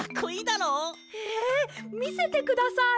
へえみせてください。